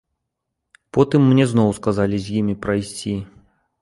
Потым мне зноў сказалі з імі прайсці.